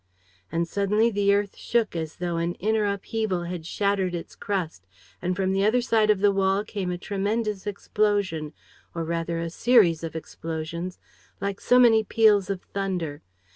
And suddenly the earth shook as though an inner upheaval had shattered its crust and from the other side of the wall came a tremendous explosion, or rather a series of explosions, like so many peals of thunder.